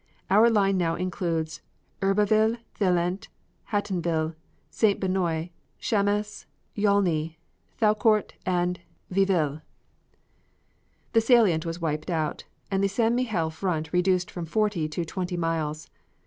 Our line now includes Herbeville, Thillet, Hattonville, St. Benoit, Xammes, Jaulny, Thiaucourt and Vieville." The salient was wiped out, and the St. Mihiel front reduced from forty to twenty miles.